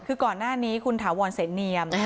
คือก่อนหน้านี้คุณถาวรเสนเนียม